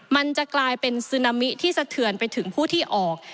มันจะกลายเป็นซึนามิที่สะเทือนไปถึงผู้ที่ออก